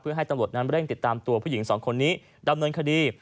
เพื่อให้ตำรวจนั้นเร่งติดตามตัวผู้หญิงสองคนนี้ดำเนินคดี